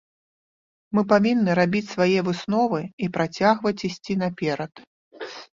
Мы павінны рабіць свае высновы і працягваць ісці наперад.